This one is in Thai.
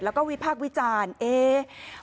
แล้วก็วิพากษ์วิจารณ์เอ๊ะ